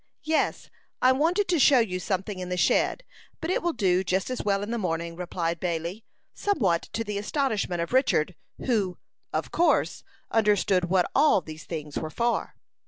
"Yes; I wanted to show you something in the shed, but it will do just as well in the morning," replied Bailey, somewhat to the astonishment of Richard, who, of course, understood what all these things were for.